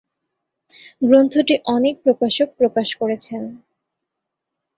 গ্রন্থটি অনেক প্রকাশক প্রকাশ করেছেন।